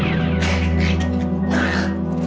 kau apa kan istriku